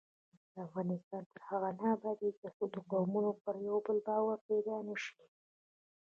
افغانستان تر هغو نه ابادیږي، ترڅو د قومونو پر یو بل باور پیدا نشي.